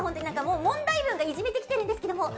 問題文がいじめてきてるんですけども。